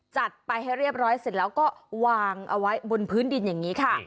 จัดไปให้เรียบร้อยเสร็จแล้วก็วางเอาไว้บนพื้นดินอย่างนี้ค่ะ